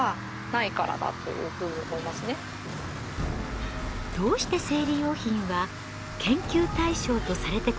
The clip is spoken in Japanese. どうして生理用品は研究対象とされてこなかったのでしょうか？